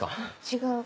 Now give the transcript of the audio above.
違う。